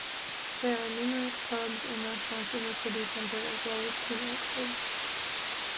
There are numerous pubs and restaurants in the city center, as well as two nightclubs.